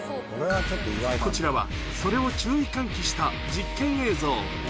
こちらは、それを注意喚起した実験映像。